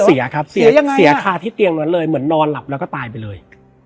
เสียครับเสียคาที่เตียงตรงนั้นเลยเหมือนนอนหลับแล้วก็ตายไปเลย